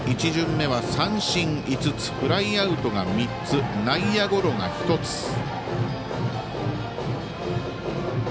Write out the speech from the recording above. １巡目は三振５つフライアウトが３つ内野ゴロが１つ。